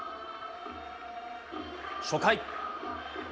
初回。